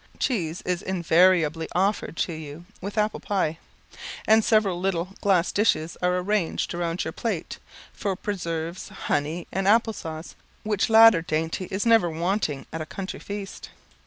Cheese is invariably offered to you with apple pie; and several little, glass dishes are ranged round your plate, for preserves, honey, and apple sauce, which latter dainty is never wanting at a country feast.